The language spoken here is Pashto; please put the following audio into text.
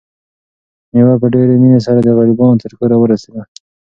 مېوه په ډېرې مینې سره د غریبانو تر کوره ورسېده.